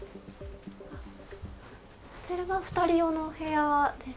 こちらが２人用のお部屋です